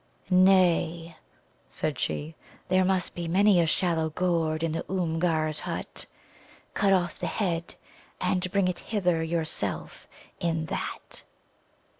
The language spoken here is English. "Nay," said she, "there must be many a shallow gourd in the Oomgar's hut. Cut off the head, and bring it hither yourself in that."